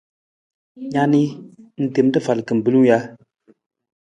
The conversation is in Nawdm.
Na ni, ng tem rafal kimbilung ja?